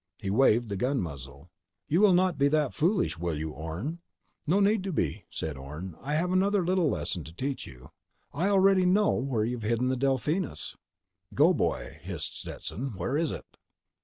He waved the gun muzzle. "You will not be that foolish, will you, Orne?" "No need to be," said Orne. "I've another little lesson to teach you: I already know where you've hidden the Delphinus." "Go, boy!" hissed Stetson. _"Where is it?"